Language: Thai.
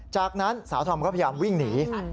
จากนั้นสาวธอมก็พยายามวิ่งหนี